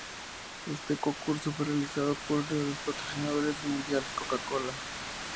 Este concurso fue realizado por uno de los patrocinadores del mundial Coca Cola.